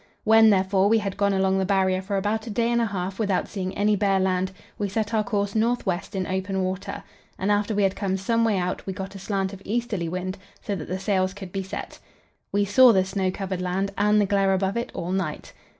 When, therefore, we had gone along the Barrier for about a day and a half without seeing any bare land, we set our course north west in open water, and after we had come some way out we got a slant of easterly wind, so that the sails could be set. We saw the snow covered land and the glare above it all night.